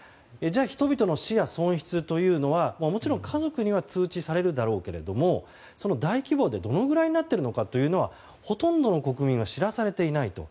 人々の死や損失というのはもちろん、家族には通知されるだろうけれども大規模でどのぐらいになっているかというのはほとんどの国民は知らされていないと。